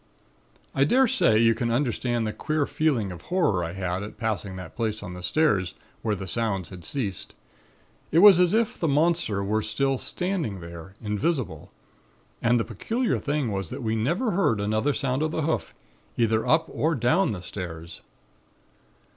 "I daresay you can understand the queer feeling of horror I had at passing that place on the stairs where the sounds had ceased. It was as if the monster were still standing there, invisible. And the peculiar thing was that we never heard another sound of the hoof, either up or down the stairs.